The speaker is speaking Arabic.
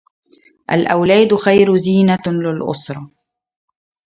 الأولاد خير زينة للأسرة.